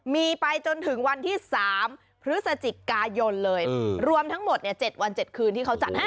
มีไปจนถึงวันที่๓พฤศจิกายนเลยรวมทั้งหมด๗วัน๗คืนที่เขาจัดให้